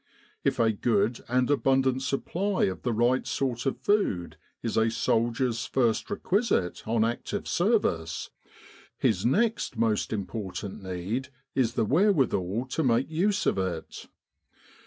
If a good and abundant supply of the right sort of food is a soldier's first requisite on active service, his next most important need is the wherewithal to make use of it.